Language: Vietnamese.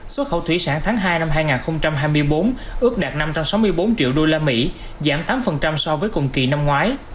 xuất khẩu thủy sản tháng hai năm hai nghìn hai mươi bốn ước đạt năm trăm sáu mươi bốn triệu usd giảm tám so với cùng kỳ năm ngoái